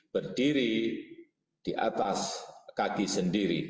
berdiri di atas kaki sendiri